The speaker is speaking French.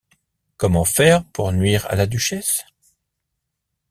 Comment faire pour nuire à la duchesse?